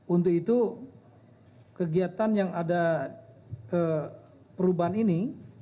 untuk itu kegiatan yang ada perubahan ini